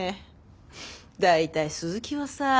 大体鈴木はさあ。